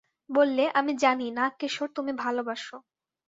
বললে, আমি জানি নাগকেশর তুমি ভালোবাস।